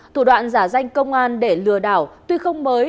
thủ đoạn giả danh công an để lừa đảo tuy không mới